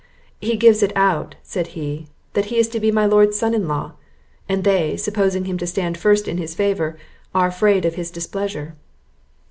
"He gives it out," said he, "that he is to be my lord's son in law; and they, supposing him to stand first in his favour, are afraid of his displeasure."